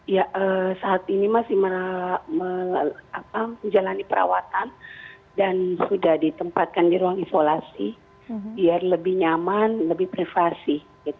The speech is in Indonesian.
ya saat ini masih menjalani perawatan dan sudah ditempatkan di ruang isolasi biar lebih nyaman lebih privasi